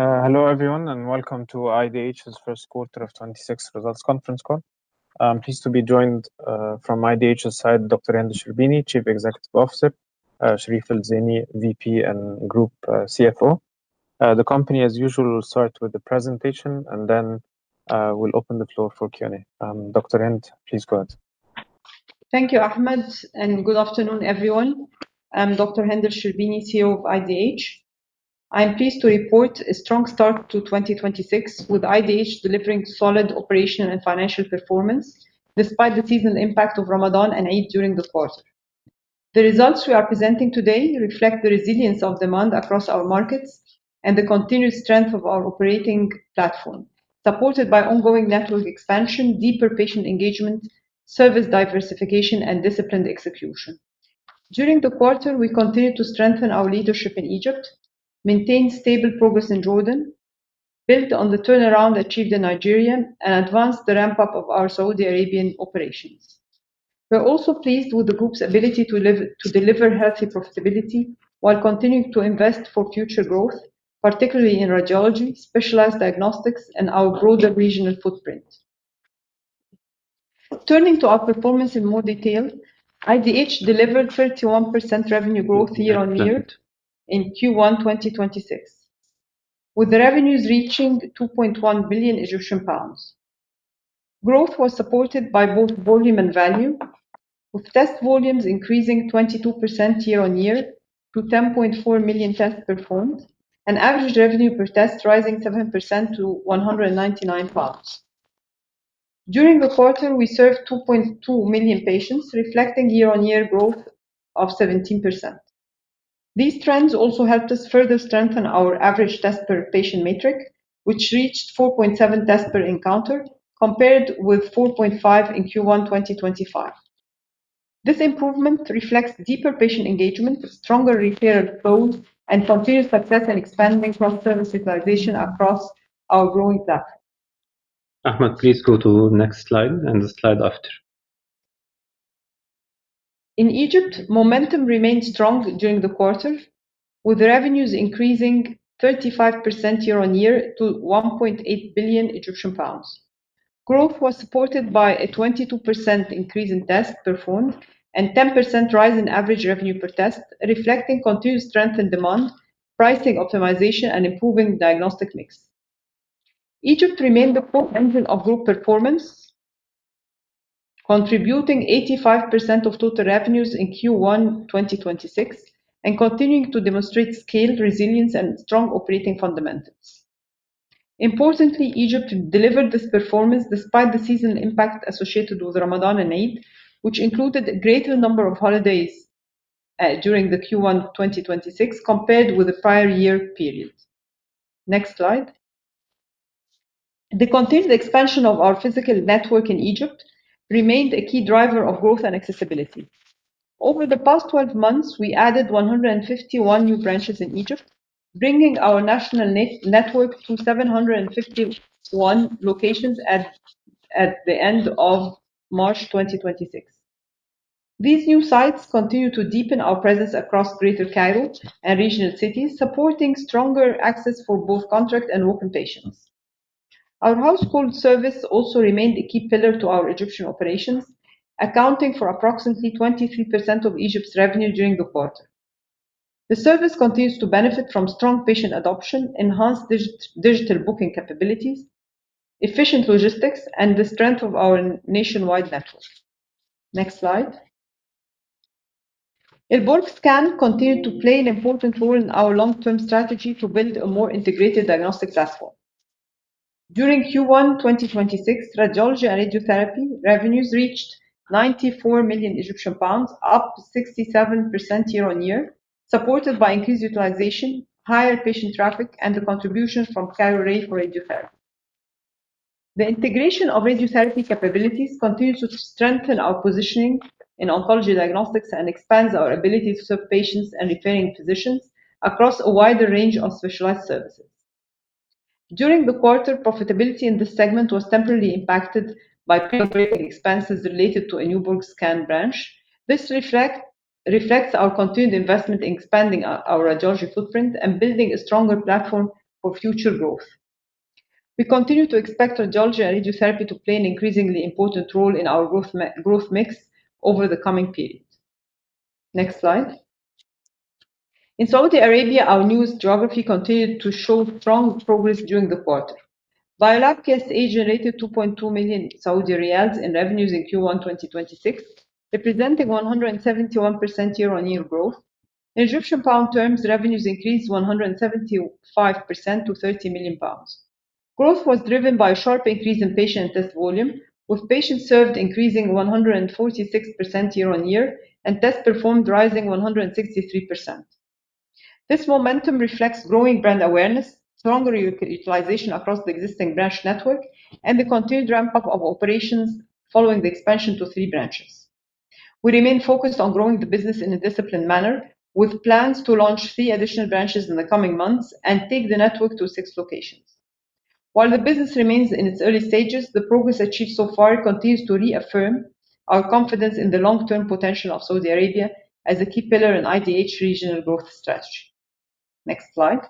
Hello everyone, welcome to IDH's first quarter of 2026 results conference call. I'm pleased to be joined from IDH's side, Dr. Hend El Sherbini, Chief Executive Officer, Sherif El Zeiny, VP and Group CFO. The company, as usual, will start with the presentation and then we'll open the floor for Q&A. Dr. Hend, please go ahead. Thank you, Ahmed, and good afternoon, everyone. I'm Dr. Hend El Sherbini, CEO of IDH. I'm pleased to report a strong start to 2026, with IDH delivering solid operational and financial performance despite the seasonal impact of Ramadan and Eid during the quarter. The results we are presenting today reflect the resilience of demand across our markets and the continued strength of our operating platform, supported by ongoing network expansion, deeper patient engagement, service diversification, and disciplined execution. During the quarter, we continued to strengthen our leadership in Egypt, maintain stable progress in Jordan, built on the turnaround achieved in Nigeria, and advanced the ramp-up of our Saudi Arabian operations. We're also pleased with the group's ability to deliver healthy profitability while continuing to invest for future growth, particularly in radiology, specialized diagnostics, and our broader regional footprint. Turning to our performance in more detail, IDH delivered 31% revenue growth year-on-year in Q1 2026, with revenues reaching 2.1 billion Egyptian pounds. Growth was supported by both volume and value, with test volumes increasing 22% year-on-year to 10.4 million tests performed, and average revenue per test rising 7% to 199 pounds. During the quarter, we served 2.2 million patients, reflecting year-on-year growth of 17%. These trends also helped us further strengthen our average tests per patient metric, which reached 4.7 tests per encounter, compared with 4.5 in Q1 2025. This improvement reflects deeper patient engagement, stronger referral flows, and continued success in expanding cross-service utilization across our growing platform. Ahmed, please go to next slide and the slide after. In Egypt, momentum remained strong during the quarter, with revenues increasing 35% year-on-year to 1.8 billion Egyptian pounds. Growth was supported by a 22% increase in tests performed and 10% rise in average revenue per test, reflecting continued strength in demand, pricing optimization, and improving diagnostic mix. Egypt remained the core engine of group performance, contributing 85% of total revenues in Q1 2026 and continuing to demonstrate scaled resilience and strong operating fundamentals. Importantly, Egypt delivered this performance despite the seasonal impact associated with Ramadan and Eid, which included a greater number of holidays during the Q1 2026 compared with the prior year period. Next slide. The continued expansion of our physical network in Egypt remained a key driver of growth and accessibility. Over the past 12 months, we added 151 new branches in Egypt, bringing our national network to 751 locations at the end of March 2026. These new sites continue to deepen our presence across Greater Cairo and regional cities, supporting stronger access for both contract and walk-in patients. Our home collection service also remained a key pillar to our Egyptian operations, accounting for approximately 23% of Egypt's revenue during the quarter. The service continues to benefit from strong patient adoption, enhanced digital booking capabilities, efficient logistics, and the strength of our nationwide network. Next slide. Al Borg Scan continued to play an important role in our long-term strategy to build a more integrated diagnostics platform. During Q1 2026, radiology and radiotherapy revenues reached 94 million Egyptian pounds, up 67% year-on-year, supported by increased utilization, higher patient traffic, and the contribution from Cairo Ray for radiotherapy. The integration of radiotherapy capabilities continues to strengthen our positioning in oncology diagnostics and expands our ability to serve patients and referring physicians across a wider range of specialized services. During the quarter, profitability in this segment was temporarily impacted by pre-operating expenses related to a new Al Borg Scan branch. This reflects our continued investment in expanding our radiology footprint and building a stronger platform for future growth. We continue to expect radiology and radiotherapy to play an increasingly important role in our growth mix over the coming period. Next slide. In Saudi Arabia, our new geography continued to show strong progress during the quarter. Biolab KSA generated 2.2 million Saudi riyals in revenues in Q1 2026, representing 171% year-over-year growth. In Egyptian pounds terms, revenues increased 175% to 30 million pounds. Growth was driven by a sharp increase in patient test volume, with patients served increasing 146% year-over-year and tests performed rising 163%. This momentum reflects growing brand awareness, stronger utilization across the existing branch network, and the continued ramp-up of operations following the expansion to three branches. We remain focused on growing the business in a disciplined manner, with plans to launch three additional branches in the coming months and take the network to six locations. While the business remains in its early stages, the progress achieved so far continues to reaffirm our confidence in the long-term potential of Saudi Arabia as a key pillar in IDH regional growth strategy. Next slide.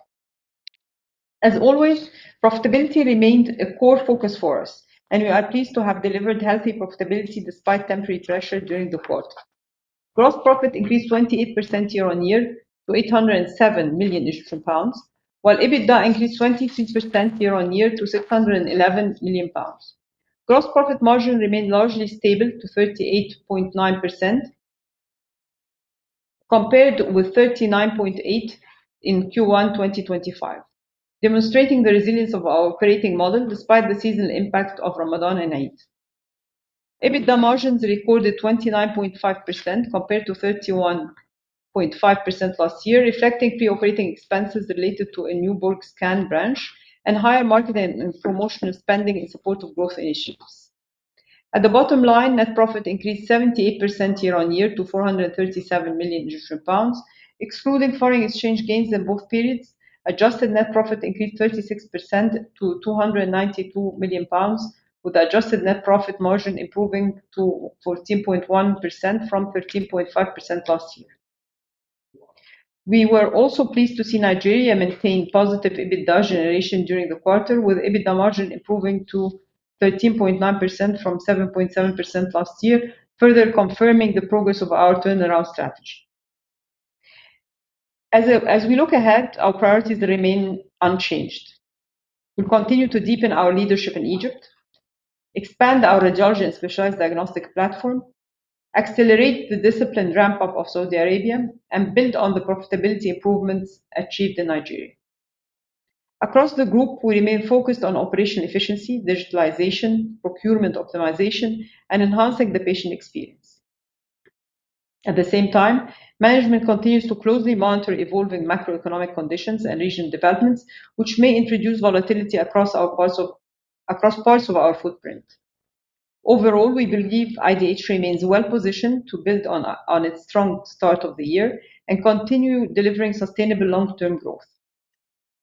As always, profitability remained a core focus for us, and we are pleased to have delivered healthy profitability despite temporary pressure during the quarter. Gross profit increased 28% year-on-year to 807 million Egyptian pounds, while EBITDA increased 26% year-on-year to 611 million pounds. Gross profit margin remained largely stable to 38.9%, compared with 39.8% in Q1 2025, demonstrating the resilience of our operating model despite the seasonal impact of Ramadan and Eid. EBITDA margins recorded 29.5%, compared to 31.5% last year, reflecting pre-operating expenses related to a new Borg Scan branch and higher marketing and promotional spending in support of growth initiatives. At the bottom line, net profit increased 78% year-on-year to 437 million Egyptian pounds. Excluding foreign exchange gains in both periods, adjusted net profit increased 36% to 292 million pounds, with adjusted net profit margin improving to 14.1% from 13.5% last year. We were also pleased to see Nigeria maintain positive EBITDA generation during the quarter, with EBITDA margin improving to 13.9% from 7.7% last year, further confirming the progress of our turnaround strategy. As we look ahead, our priorities remain unchanged. We continue to deepen our leadership in Egypt, expand our emerging specialized diagnostic platform, accelerate the disciplined ramp-up of Saudi Arabia, and build on the profitability improvements achieved in Nigeria. Across the group, we remain focused on operational efficiency, digitalization, procurement optimization, and enhancing the patient experience. At the same time, management continues to closely monitor evolving macroeconomic conditions and region developments, which may introduce volatility across parts of our footprint. Overall, we believe IDH remains well-positioned to build on its strong start of the year and continue delivering sustainable long-term growth.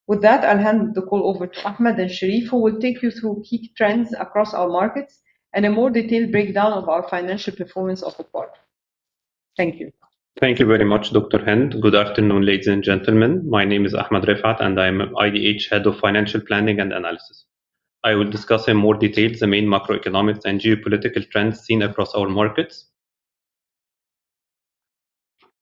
With that, I'll hand the call over to Ahmed and Sherif, who will take you through key trends across our markets and a more detailed breakdown of our financial performance of the quarter. Thank you. Thank you very much, Dr. Hend. Good afternoon, ladies and gentlemen. My name is Ahmed Refaat, and I'm IDH Head of Financial Planning and Analysis. I will discuss in more detail the main macroeconomic and geopolitical trends seen across our markets.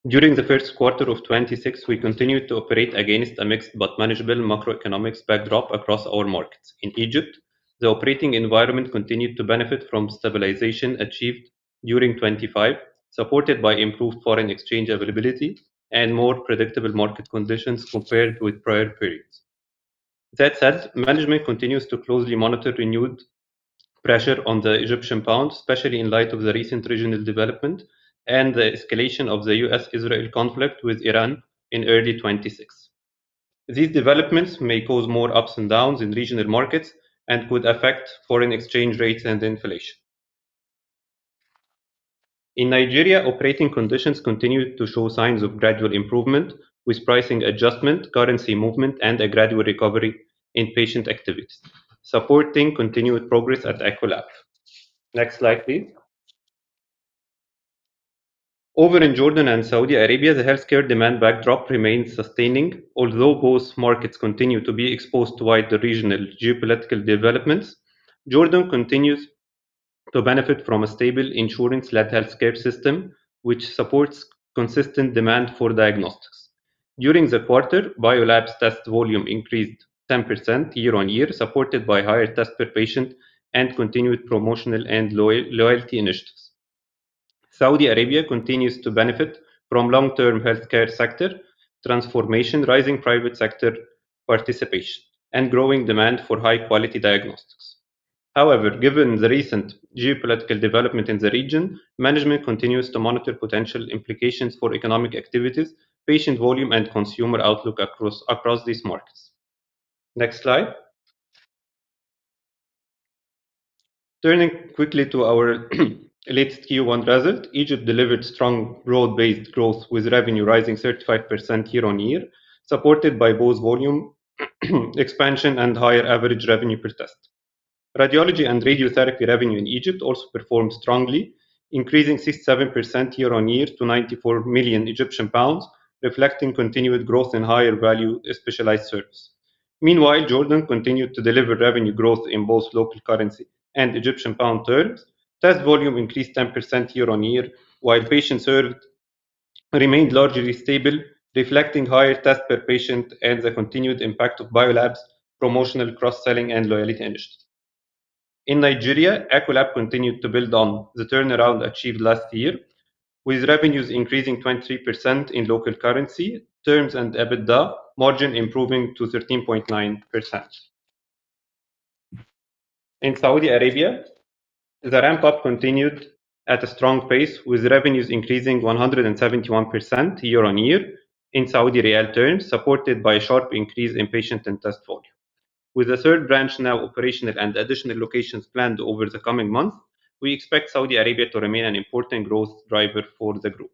During the first quarter of 2026, we continued to operate against a mixed but manageable macroeconomic backdrop across our markets. In Egypt, the operating environment continued to benefit from stabilization achieved during 2025, supported by improved foreign exchange availability and more predictable market conditions compared with prior periods. That said, management continues to closely monitor renewed pressure on the Egyptian pound, especially in light of the recent regional development and the escalation of the U.S.-Israel conflict with Iran in early 2026. These developments may cause more ups and downs in regional markets and could affect foreign exchange rates and inflation. In Nigeria, operating conditions continued to show signs of gradual improvement, with pricing adjustment, currency movement, and a gradual recovery in patient activity, supporting continued progress at EchoLab. Next slide, please. Over in Jordan and Saudi Arabia, the healthcare demand backdrop remains sustaining, although both markets continue to be exposed to wider regional geopolitical developments. Jordan continues to benefit from a stable insurance-led healthcare system, which supports consistent demand for diagnostics. During the quarter, Biolab test volume increased 10% year-on-year, supported by higher tests per patient and continued promotional and loyalty initiatives. Saudi Arabia continues to benefit from long-term healthcare sector transformation, rising private sector participation, and growing demand for high-quality diagnostics. However, given the recent geopolitical development in the region, management continues to monitor potential implications for economic activities, patient volume, and consumer outlook across these markets. Next slide. Turning quickly to our latest Q1 result, Egypt delivered strong broad-based growth, with revenue rising 35% year-on-year, supported by both volume expansion and higher average revenue per test. Radiology and radiotherapy revenue in Egypt also performed strongly, increasing 67% year-on-year to 94 million Egyptian pounds, reflecting continued growth in higher value specialized services. Meanwhile, Jordan continued to deliver revenue growth in both local currency and Egyptian pound terms. Test volume increased 10% year-on-year, while patients served remained largely stable, reflecting higher tests per patient and the continued impact of Biolab's promotional cross-selling and loyalty initiatives. In Nigeria, EchoLab continued to build on the turnaround achieved last year, with revenues increasing 23% in local currency terms and EBITDA margin improving to 13.9%. In Saudi Arabia, the ramp-up continued at a strong pace, with revenues increasing 171% year-on-year in Saudi riyal terms, supported by a sharp increase in patient and test volume. With the third branch now operational and additional locations planned over the coming months, we expect Saudi Arabia to remain an important growth driver for the group.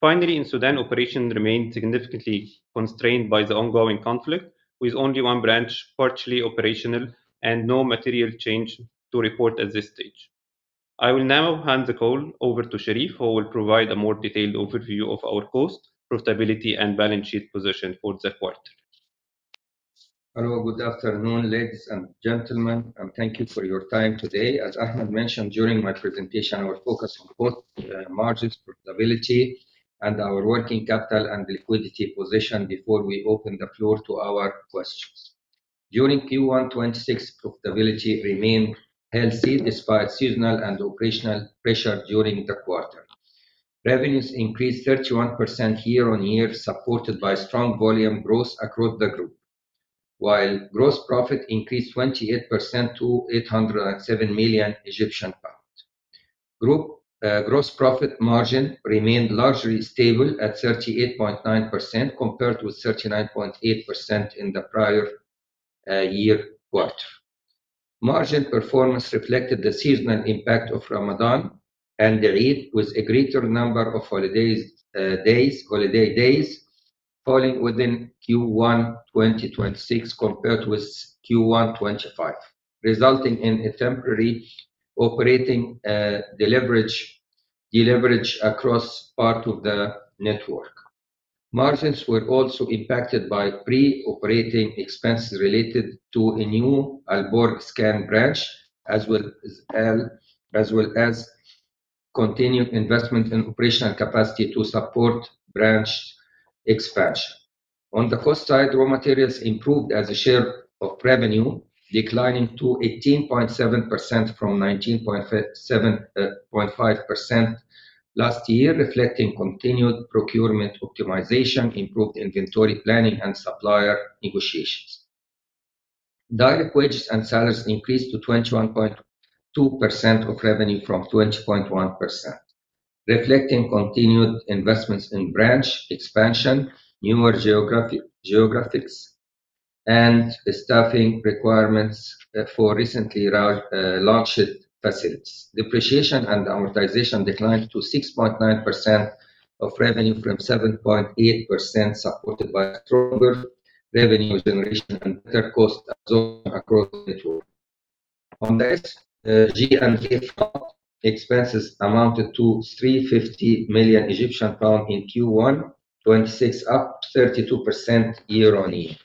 Finally, in Sudan, operations remain significantly constrained by the ongoing conflict, with only one branch partially operational and no material change to report at this stage. I will now hand the call over to Sherif, who will provide a more detailed overview of our cost, profitability, and balance sheet position for the quarter. Hello. Good afternoon, ladies and gentlemen, and thank you for your time today. As Ahmed mentioned, during my presentation, I will focus on both margins profitability and our working capital and liquidity position before we open the floor to our questions. During Q1 2026, profitability remained healthy despite seasonal and operational pressure during the quarter. Revenues increased 31% year-on-year, supported by strong volume growth across the group, while gross profit increased 28% to 807 million Egyptian pounds. Group gross profit margin remained largely stable at 38.9%, compared with 39.8% in the prior year quarter. Margin performance reflected the seasonal impact of Ramadan and Eid, with a greater number of holiday days falling within Q1 2026 compared with Q1 2025, resulting in a temporary operating deleverage across part of the network. Margins were also impacted by pre-operating expenses related to a new Al Borg Scan branch, as well as continued investment in operational capacity to support branch expansion. On the cost side, raw materials improved as a share of revenue, declining to 18.7% from 19.5% last year, reflecting continued procurement optimization, improved inventory planning, and supplier negotiations. Direct wages and salaries increased to 21.2% of revenue from 20.1%, reflecting continued investments in branch expansion, newer geographics, and staffing requirements for recently launched facilities. Depreciation and amortization declined to 6.9% of revenue from 7.8%, supported by stronger revenue generation and better cost discipline across the group. On the SG&A front, expenses amounted to 350 million Egyptian pounds in Q1 2026, up 32% year-on-year.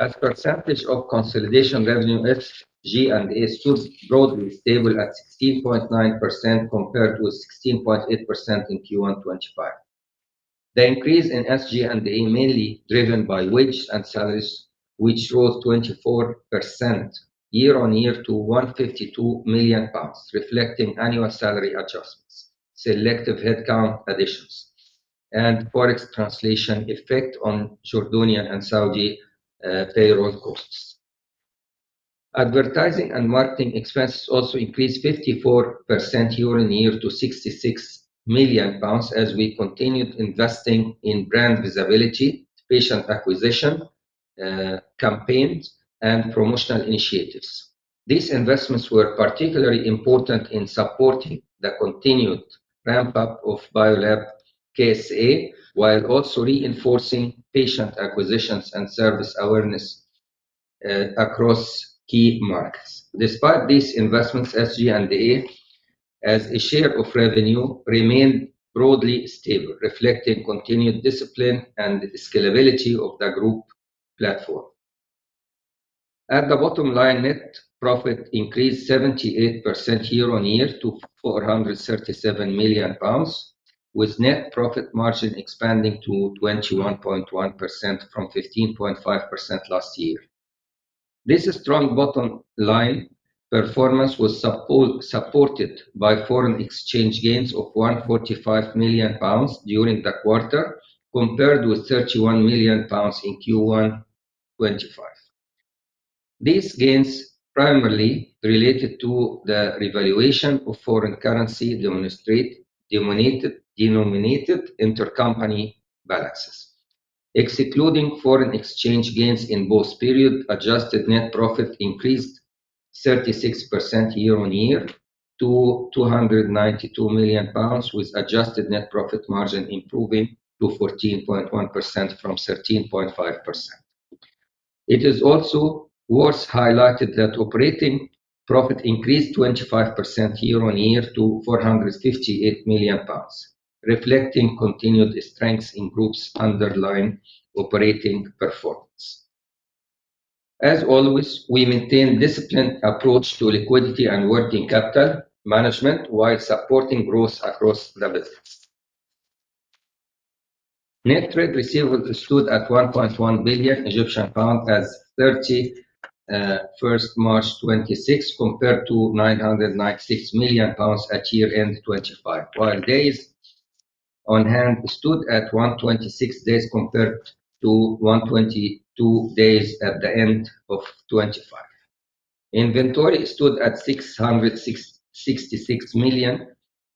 As a percentage of consolidation revenue, SG&A stood broadly stable at 16.9%, compared with 16.8% in Q1 2025. The increase in SG&A mainly driven by wage and salaries, which rose 24% year-on-year to 152 million pounds, reflecting annual salary adjustments, selective headcount additions, and Forex translation effect on Jordanian and Saudi payroll costs. Advertising and marketing expenses also increased 54% year-on-year to 66 million pounds as we continued investing in brand visibility, patient acquisition, campaigns, and promotional initiatives. These investments were particularly important in supporting the continued ramp-up of Biolab KSA, while also reinforcing patient acquisitions and service awareness across key markets. Despite these investments, SG&A as a share of revenue remained broadly stable, reflecting continued discipline and scalability of the group platform. At the bottom line, net profit increased 78% year-on-year to 437 million pounds, with net profit margin expanding to 21.1% from 15.5% last year. This strong bottom line performance was supported by foreign exchange gains of 145 million pounds during the quarter, compared with 31 million pounds in Q1 2025. These gains primarily related to the revaluation of foreign currency denominated intercompany balances. Excluding foreign exchange gains in both periods, adjusted net profit increased 36% year-on-year to 292 million pounds, with adjusted net profit margin improving to 14.1% from 13.5%. It is also worth highlighting that operating profit increased 25% year-on-year to 458 million pounds, reflecting continued strength in group's underlying operating performance. As always, we maintain disciplined approach to liquidity and working capital management while supporting growth across the business. Net trade receivables stood at EGP 1.1 billion as March 31st, 2026, compared to 996 million pounds at year-end 2025. While days on hand stood at 126 days compared to 122 days at the end of 2025. Inventory stood at 666 million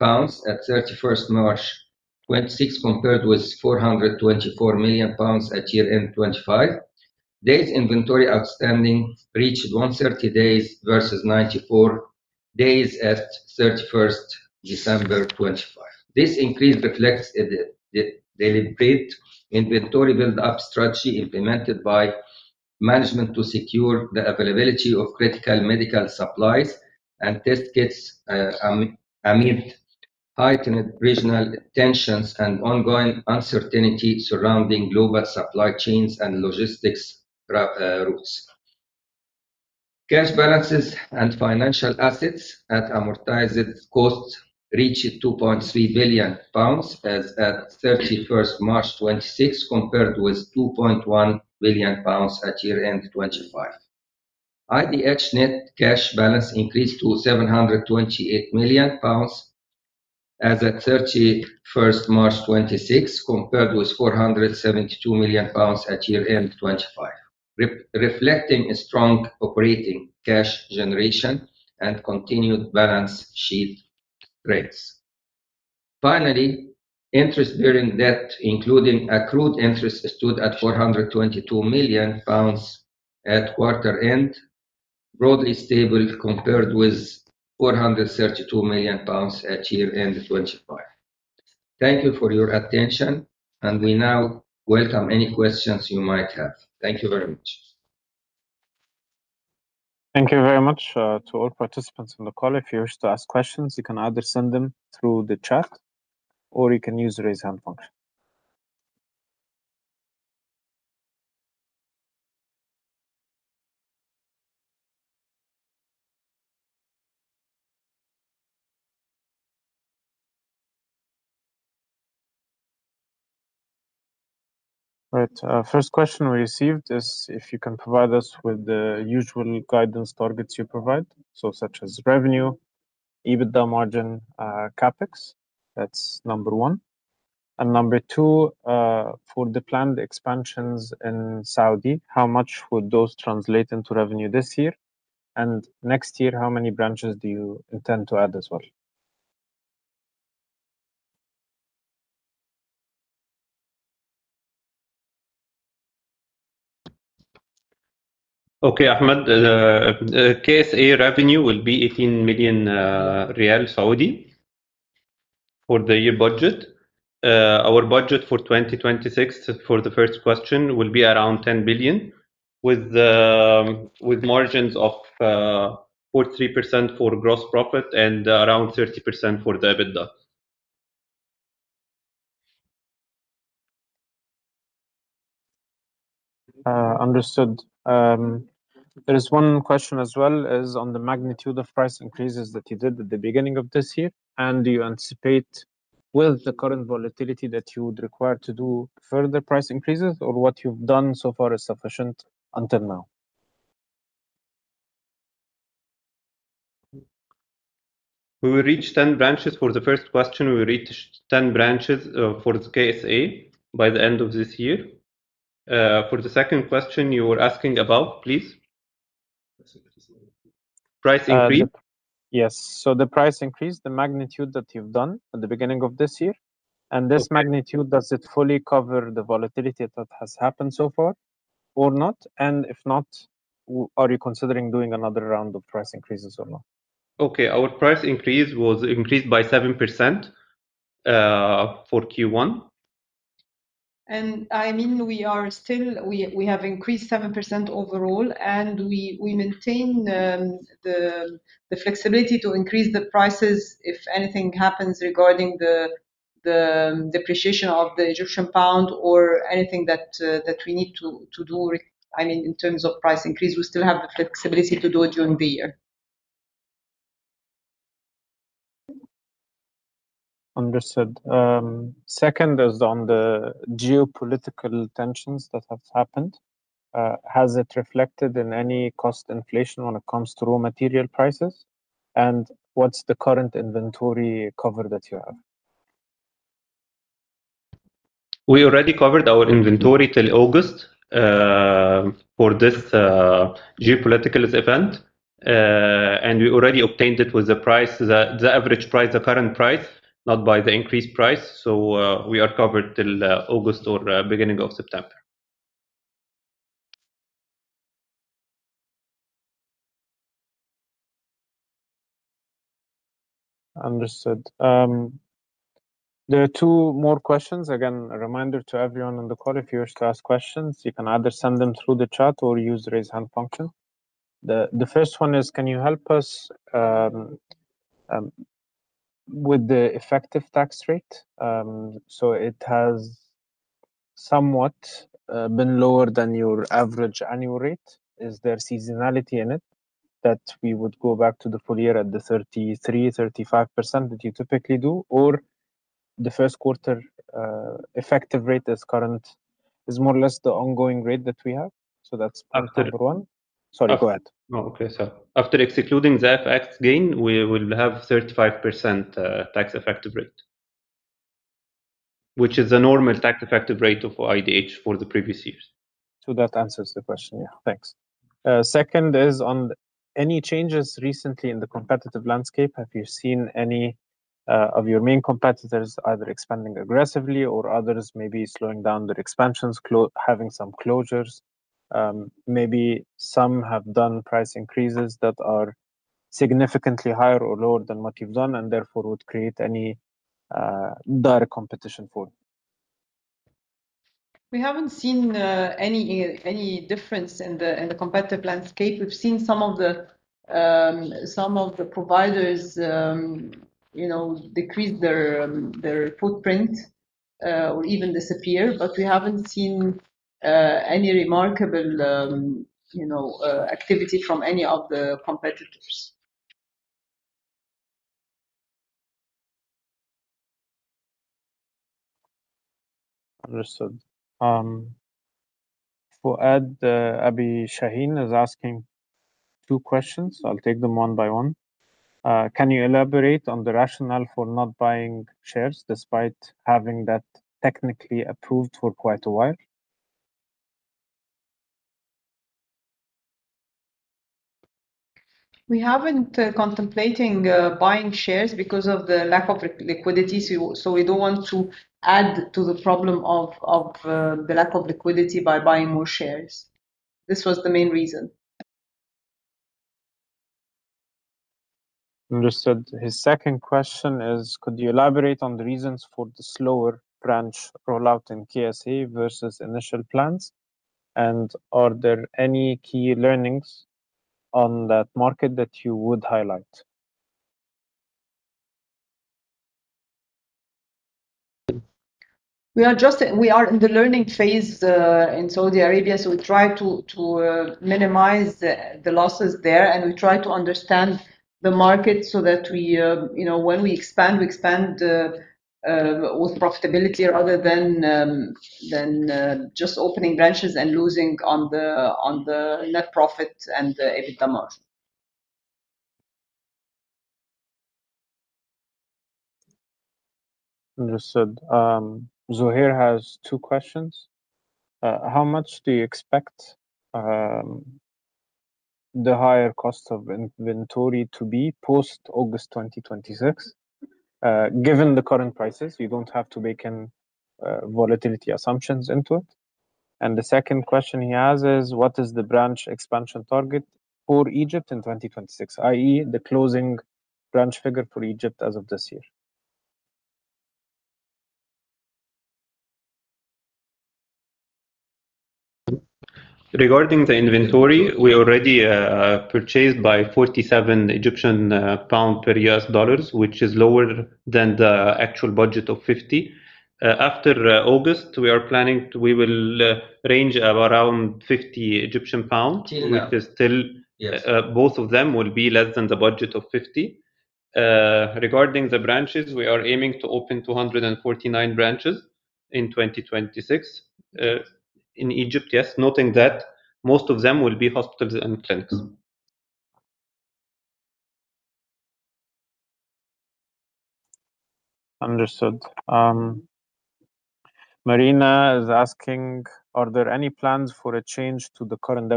pounds at March 31st, 2026, compared with 424 million pounds at year-end 2025. Days inventory outstanding reached 130 days versus 94 days at December 31st, 2025. This increase reflects the deliberate inventory build-up strategy implemented by management to secure the availability of critical medical supplies and test kits amid heightened regional tensions and ongoing uncertainty surrounding global supply chains and logistics routes. Cash balances and financial assets at amortized cost reached 2.3 billion pounds as at March 31st, 2026, compared with 2.1 billion pounds at year-end 2025. IDH net cash balance increased to 728 million pounds as at March 31st, 2026, compared with 472 million pounds at year-end 2025, reflecting a strong operating cash generation and continued balance sheet strengths. Interest-bearing debt, including accrued interest, stood at 422 million pounds at quarter end, broadly stable compared with 432 million pounds at year-end 2025. Thank you for your attention, and we now welcome any questions you might have. Thank you very much. Thank you very much to all participants on the call. If you wish to ask questions, you can either send them through the chat or you can use the raise hand function. Right. First question we received is if you can provide us with the usual guidance targets you provide, so such as revenue, EBITDA margin, CapEx. That's number one. Number two, for the planned expansions in Saudi, how much would those translate into revenue this year? Next year, how many branches do you intend to add as well? Okay, Ahmed. The KSA revenue will be SAR 18 million for the year budget. Our budget for 2026 will be around 10 billion with margins of 43% for gross profit and around 30% for the EBITDA. Understood. There is one question as well is on the magnitude of price increases that you did at the beginning of this year. Do you anticipate with the current volatility that you would require to do further price increases, or what you've done so far is sufficient until now? We will reach 10 branches for the first question. We will reach 10 branches for the KSA by the end of this year. For the second question you were asking about, please? Price increase? Yes. The price increase, the magnitude that you've done at the beginning of this year. This magnitude, does it fully cover the volatility that has happened so far or not? If not, are you considering doing another round of price increases or not? Okay. Our price increase was increased by 7% for Q1. We have increased 7% overall, and we maintain the flexibility to increase the prices if anything happens regarding the depreciation of the Egyptian pound or anything that we need to do in terms of price increase. We still have the flexibility to do it during the year. Understood. Second is on the geopolitical tensions that have happened. Has it reflected in any cost inflation when it comes to raw material prices? What's the current inventory cover that you have? We already covered our inventory till August for this geopolitical event. We already obtained it with the average price, the current price, not by the increased price. We are covered till August or beginning of September. Understood. There are two more questions. Again, a reminder to everyone on the call, if you wish to ask questions, you can either send them through the chat or use the raise hand function. The first one is, can you help us with the effective tax rate? It has somewhat been lower than your average annual rate. Is there seasonality in it that we would go back to the full year at the 33%, 35% that you typically do, or the first quarter effective rate that's current is more or less the ongoing rate that we have? That's point number one. Sorry, go ahead. No, okay. After excluding the FX gain, we will have 35% tax effective rate, which is a normal tax effective rate of IDH for the previous years. That answers the question, yeah. Thanks. Second is on any changes recently in the competitive landscape. Have you seen any of your main competitors either expanding aggressively or others maybe slowing down their expansions, having some closures. Maybe some have done price increases that are significantly higher or lower than what you've done and therefore would create any direct competition for you. We haven't seen any difference in the competitive landscape. We've seen some of the providers decrease their footprint or even disappear, but we haven't seen any remarkable activity from any of the competitors. Understood. Fouad Abi Shaheen is asking two questions. I'll take them one by one. Can you elaborate on the rationale for not buying shares despite having that technically approved for quite a while? We haven't contemplating buying shares because of the lack of liquidity. We don't want to add to the problem of the lack of liquidity by buying more shares. This was the main reason. Understood. His second question is, could you elaborate on the reasons for the slower branch rollout in KSA versus initial plans, and are there any key learnings on that market that you would highlight? We are in the learning phase in Saudi Arabia, so we try to minimize the losses there, and we try to understand the market so that when we expand, we expand with profitability rather than just opening branches and losing on the net profit and the EBITDA margin. Understood. Zoher has two questions. How much do you expect the higher cost of inventory to be post August 2026? Given the current prices, we don't have to bake in volatility assumptions into it. The second question he has is what is the branch expansion target for Egypt in 2026, i.e., the closing branch figure for Egypt as of this year? Regarding the inventory, we already purchased by 47 Egyptian pound per U.S. dollars, which is lower than the actual budget of 50. After August, we are planning we will range around 50 Egyptian pound, which is still. Yes. ...both of them will be less than the budget of 50. Regarding the branches, we are aiming to open 249 branches in 2026. In Egypt, yes, noting that most of them will be hospitals and clinics. Understood. Marina is asking, are there any plans for a change to the current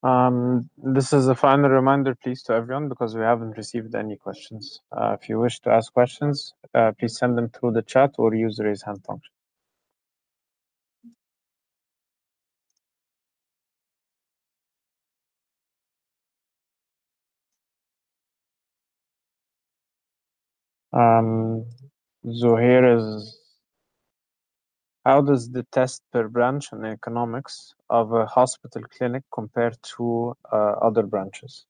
dividend policy? No. No. All right. This is a final reminder, please, to everyone because we haven't received any questions. If you wish to ask questions, please send them through the chat or use the raise hand function. Zoher is: how does the test per branch and the economics of a hospital clinic compare to other branches?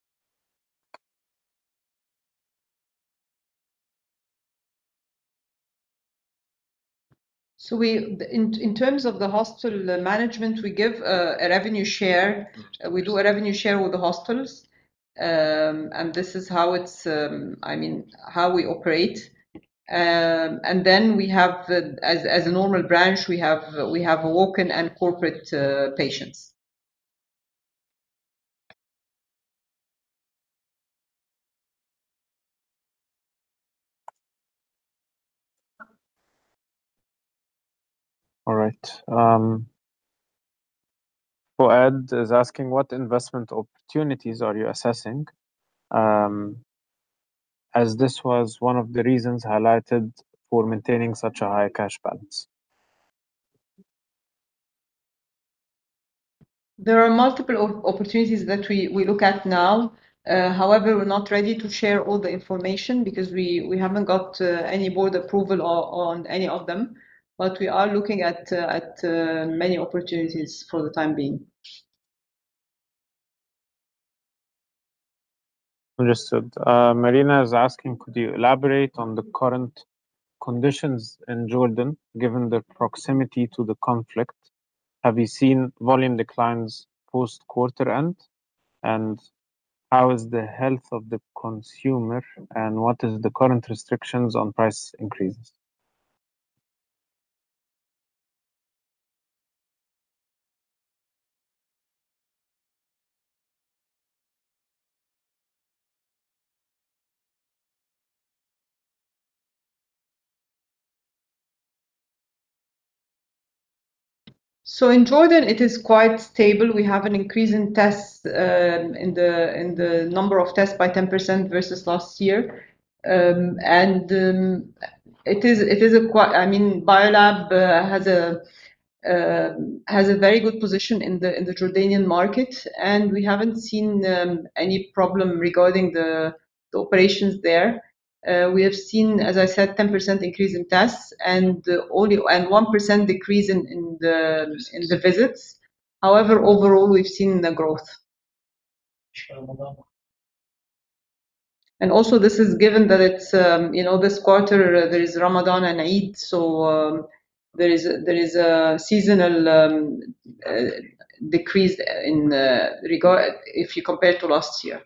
In terms of the hospital management, we give a revenue share. We do a revenue share with the hospitals, and this is how we operate. Then we have, as a normal branch, we have walk-in and corporate patients. All right. Fouad is asking what investment opportunities are you assessing, as this was one of the reasons highlighted for maintaining such a high cash balance. There are multiple opportunities that we look at now. However, we're not ready to share all the information because we haven't got any board approval on any of them. We are looking at many opportunities for the time being. Understood. Marina is asking, could you elaborate on the current conditions in Jordan, given the proximity to the conflict? Have you seen volume declines post-quarter end? How is the health of the consumer and what is the current restrictions on price increases? In Jordan, it is quite stable. We have an increase in the number of tests by 10% versus last year. Biolab has a very good position in the Jordanian market, and we haven't seen any problem regarding the operations there. We have seen, as I said, 10% increase in tests and 1% decrease in the visits. However, overall, we've seen the growth. Also, this is given that this quarter there is Ramadan and Eid, there is a seasonal decrease if you compare to last year.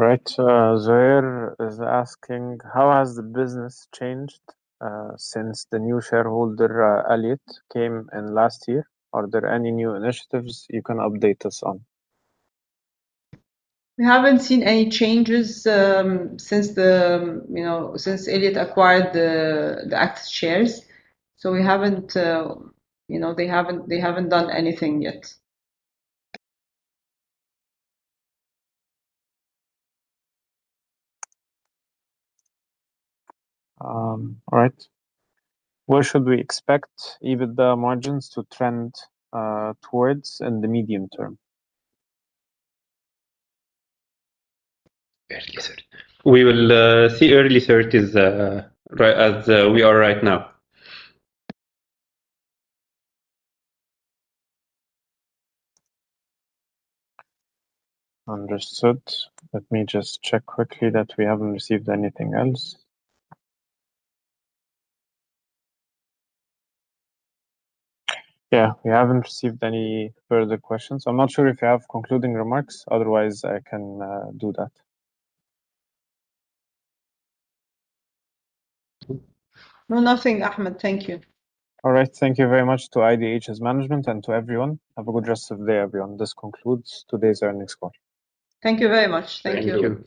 Right. Zoher is asking: How has the business changed since the new shareholder, Elliott, came in last year? Are there any new initiatives you can update us on? We haven't seen any changes since Elliott acquired the Actis shares. They haven't done anything yet. All right. Where should we expect EBITDA margins to trend towards in the medium term? Early thirties. We will see early thirties as we are right now. Understood. Let me just check quickly that we haven't received anything else. Yeah, we haven't received any further questions. I'm not sure if you have concluding remarks, otherwise, I can do that. No, nothing, Ahmed. Thank you. All right. Thank you very much to IDH's management and to everyone. Have a good rest of the day, everyone. This concludes today's earnings call. Thank you very much. Thank you. Thank you.